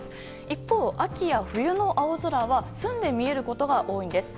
一方、秋や冬の青空は澄んで見えることが多いんです。